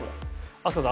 飛鳥さん